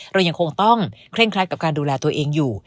เรายังคงต้องเคร่งครัดกับการดูแลตัวเองอยู่